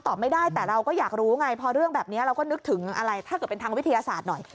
ไม่ได้แต่เราก็อยากรู้ไงพอเรื่องแบบนี้เราก็นึกถึงอะไรถ้าเกิดเป็นทางวิทยาศาสตร์หน่อย